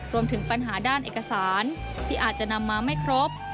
รวมถึงปัญหาด้านเอกสารที่อาจจะนำมาไม่ครบ